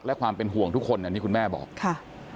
และความเป็นห่วงทุกคนอันนี้คุณแม่บอกค่ะ